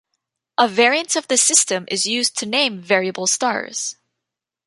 A variant of this system is used to name variable stars.